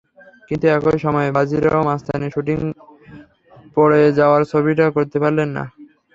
কিন্তু একই সময় বাজিরাও মাস্তানির শুটিং পড়ে যাওয়ায় ছবিটা করতে পারলেন না।